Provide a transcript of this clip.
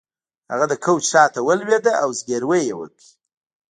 هغه د کوچ شاته ولویده او زګیروی یې وکړ